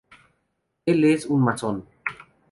Él es un masón.